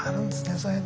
そういうの。